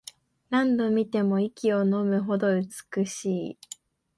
何度見ても息をのむほど美しい